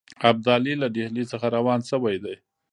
ابدالي له ډهلي څخه روان شوی دی.